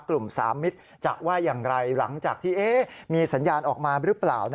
สามมิตรจะว่าอย่างไรหลังจากที่มีสัญญาณออกมาหรือเปล่า